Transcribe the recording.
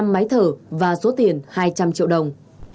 năm máy thở và số tiền hai trăm linh triệu đồng